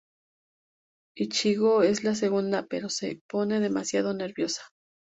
Ichigo es la segunda, pero se pone demasiado nerviosa.